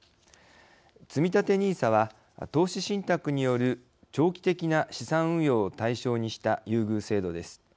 つみたてＮＩＳＡは投資信託による長期的な資産運用を対象にした優遇制度です。